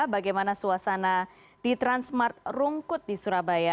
bagaimana suasana di transmart rungkut di surabaya